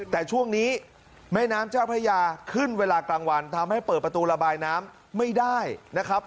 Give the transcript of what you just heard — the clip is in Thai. แต่ช่วงนี้แม่น้ำเจ้าพระยาขึ้นเวลากลางวันทำให้เปิดประตูระบายน้ำไม่ได้นะครับ